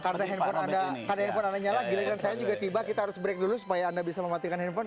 karena handphone anda nyala giliran saya juga tiba kita harus break dulu supaya anda bisa mematikan handphone